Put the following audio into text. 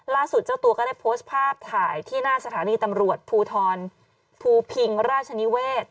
เจ้าตัวก็ได้โพสต์ภาพถ่ายที่หน้าสถานีตำรวจภูทรภูพิงราชนิเวศ